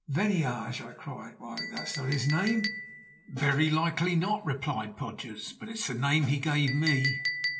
'" "Venneage!" I cried. "Why, that's not his name!" "Very likely not," replied Podgers; "but it's the name he gave me."